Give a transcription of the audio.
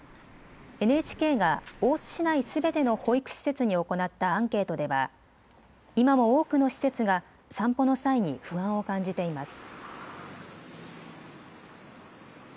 ＮＨＫが大津市内すべての保育施設に行ったアンケートでは今も多くの施設が散歩の際に不安を感じています。